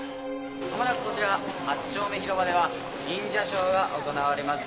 まもなくこちら八丁目広場では忍者ショーが行われます。